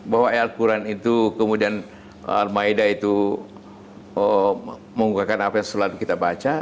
bahwa al quran itu kemudian al ma'idah itu mengunggahkan apa yang selalu kita baca